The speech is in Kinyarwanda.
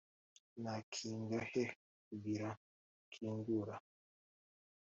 nakinga, he kugira ukingura.